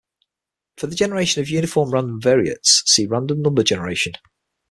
For the generation of uniform random variates, see Random number generation.